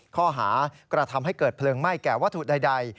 ข้อหากระทำให้เกิดเพลิงไหม้แก่วัตถุใด